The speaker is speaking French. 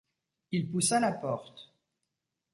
Il poussa la porte.